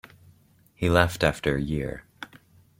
He left after a year.